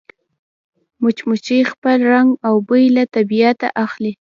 مچمچۍ خپل رنګ او بوی له طبیعته اخلي